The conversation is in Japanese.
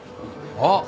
あっ！